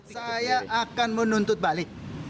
saya akan menuntut balik